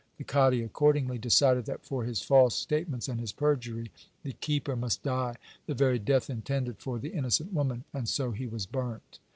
The kadi accordingly decided that for his false statements and his perjury, the keeper must die the very death intended for the innocent woman, and so he was burnt.